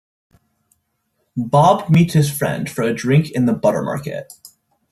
Bob meets his friend for a drink in the Buttermarket.